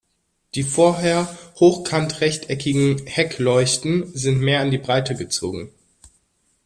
Die vorher hochkant-rechteckigen Heckleuchten sind mehr in die Breite gezogen.